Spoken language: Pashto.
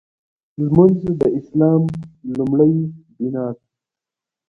لمونځ د اسلام لومړۍ بناء ده.